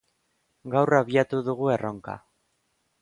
Gaur abiatu dugu erronka.